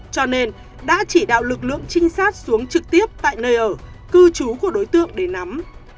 cho nên đã chỉ đạo lực lượng trinh sát xuống trực tiếp tại nơi ở cư trú của đối tượng để nắm